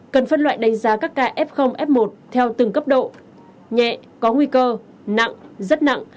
cần phân loại đánh giá các ca f f một theo từng cấp độ nhẹ có nguy cơ nặng rất nặng